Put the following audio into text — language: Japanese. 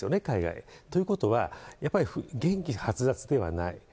海外。ということは、やっぱり元気はつらつではない。